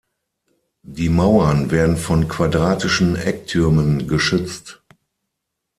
Die Mauern werden von quadratischen Ecktürmen geschützt.